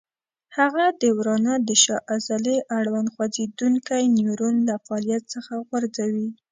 هغه د ورانه د شا عضلې اړوند خوځېدونکی نیورون له فعالیت څخه غورځوي.